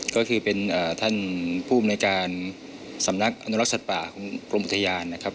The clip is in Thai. ก็คือเป็นท่านผู้อำนวยการสำนักอนุรักษณ์ศัตรูป่าครับ